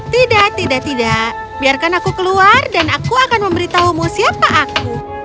tidak tidak tidak biarkan aku keluar dan aku akan memberitahumu siapa aku